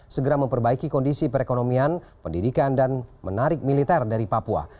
segera memperbaiki kondisi perekonomian pendidikan dan menarik militer dari papua